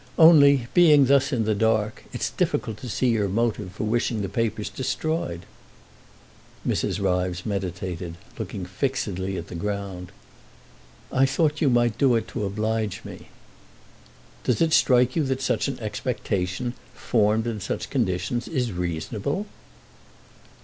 "Only, being thus in the dark, it's difficult to see your motive for wishing the papers destroyed." Mrs. Ryves meditated, looking fixedly at the ground. "I thought you might do it to oblige me." "Does it strike you that such an expectation, formed in such conditions, is reasonable?"